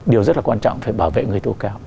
điều rất là quan trọng phải bảo vệ người tố cáo